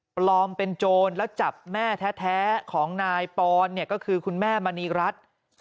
ปลอมเป็นโจรแล้วจับแม่แท้ของนายปอนเนี่ยก็คือคุณแม่มณีรัฐ